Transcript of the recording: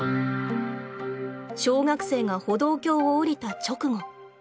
小学生が歩道橋を下りた直後。